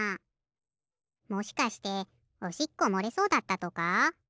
もしかしておしっこもれそうだったとか？